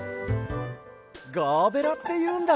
ガーベラっていうんだ。